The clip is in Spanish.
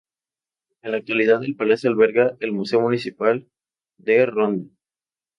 En la actualidad el palacio alberga el Museo Municipal de Ronda.